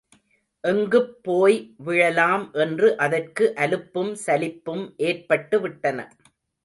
எங்குப் போய் விழலாம் என்று அதற்கு அலுப்பும் சலிப்பும் ஏற்பட்டுவிட்டன.